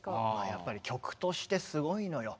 やっぱり曲としてすごいのよ。